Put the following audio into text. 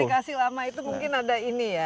maksudnya aplikasi lama itu mungkin ada ini ya